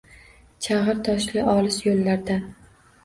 Chagʻir toshli olis yoʻllardan